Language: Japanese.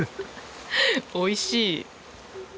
おいしい。